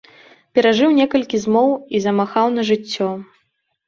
Перажыў некалькі змоў і замахаў на жыццё.